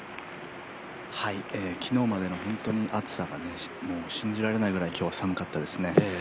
昨日までの暑さが信じられないぐらい今日は寒かったですね。